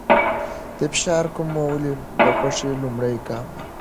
د فشار کمول د خوښۍ لومړی ګام دی.